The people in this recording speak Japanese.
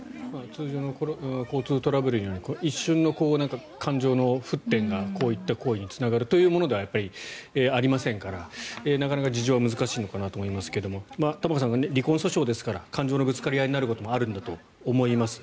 通常の交通トラブル一瞬の感情の沸点からこういった行為につながるというものではありませんからなかなか事情は難しいのかなと思いますが玉川さん、離婚訴訟ですから感情のぶつかり合いになることもあるんだと思います。